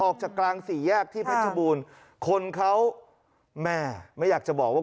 ออกจากกลางสี่แยกที่เพชรบูรณ์คนเขาแม่ไม่อยากจะบอกว่า